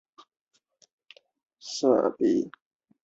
贝蒂欧岛是椰子核和珍珠的主要出口港。